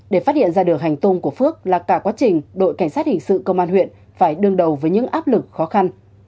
để phát hiện ra đường hành tôm của phước là cả quá trình đội cảnh sát hình sự công an huyện phải đương đầu với những áp lực khó khăn